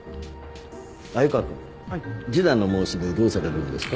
鮎川君示談の申し出どうされるんですか？